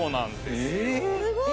すごい！